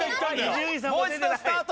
もう一度スタート！